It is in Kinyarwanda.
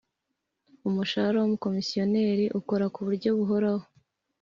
Umushahara w Umukomiseri ukora ku buryo buhoraho